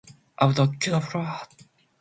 アバダ・ケタブラぁ！！！